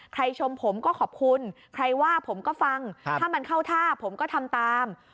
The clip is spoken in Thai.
ชมผมก็ขอบคุณใครว่าผมก็ฟังถ้ามันเข้าท่าผมก็ทำตาม